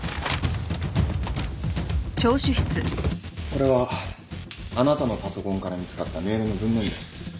これはあなたのパソコンから見つかったメールの文面です。